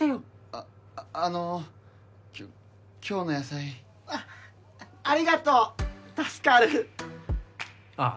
ああのきょ今日の野菜ありがとう助かるあっ